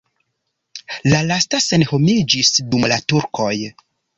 La lasta senhomiĝis dum la turkoj.